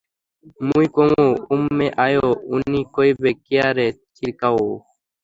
মুই কমু এম্মে আয়ো, উনি কইবে কিয়ারে চিরকাও।